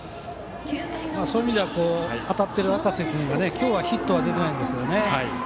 そういう意味では当たっている赤瀬君が今日はヒットは出てないんですよね。